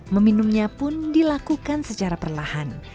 meminumnya pun dilakukan secara perlahan